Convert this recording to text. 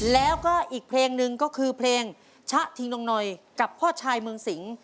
แล้วก็อีกเพลงหนึ่งก็คือเพลงชะทิงนงนอยกับพ่อชายเมืองสิง